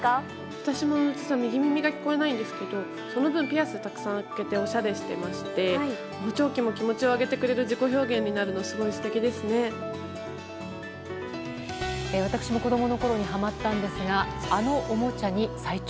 私も実は右耳が聞こえないんですけどその分、ピアスをたくさん開けておしゃれしていまして補聴器も気持ちを上げてくれる自己表現になるのは長引く巣ごもりで、再び脚光が。